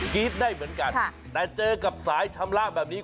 รี๊ดได้เหมือนกันแต่เจอกับสายชำระแบบนี้